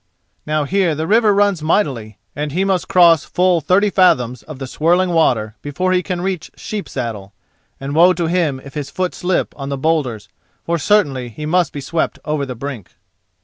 Now here the river runs mightily, and he must cross full thirty fathoms of the swirling water before he can reach Sheep saddle, and woe to him if his foot slip on the boulders, for certainly he must be swept over the brink.